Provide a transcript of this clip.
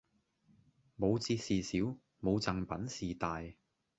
冇折事小，冇贈品事大